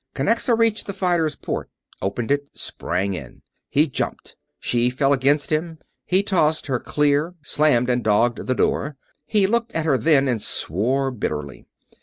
Kinnexa reached the fighter's port, opened it, sprang in. He jumped. She fell against him. He tossed her clear, slammed and dogged the door. He looked at her then, and swore bitterly.